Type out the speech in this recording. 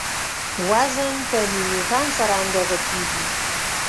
وزن په نیوټن سره اندازه کیږي.